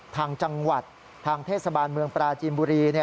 ทางจังหวัดทางเทศบาลเมืองปราจีนบุรี